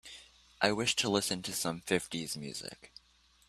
I wish to listen to some fifties music.